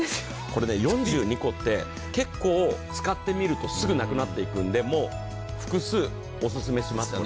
これね、４２個って結構使ってみるとすぐなくなっていくのでもう複数、お勧めしますよ。